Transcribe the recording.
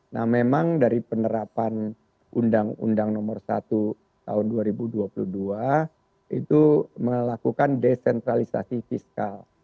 nah memang dari penerapan undang undang nomor satu tahun dua ribu dua puluh dua itu melakukan desentralisasi fiskal